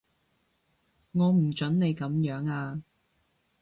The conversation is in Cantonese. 我唔準你噉樣啊